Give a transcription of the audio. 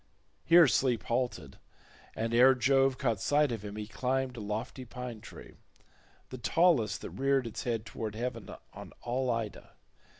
Here Sleep halted, and ere Jove caught sight of him he climbed a lofty pine tree—the tallest that reared its head towards heaven on all Ida.